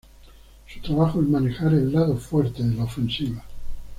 Su trabajo es manejar el "lado fuerte" de la ofensiva.